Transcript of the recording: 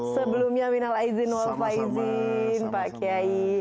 sebelumnya minal aizin wal faizin pak kiai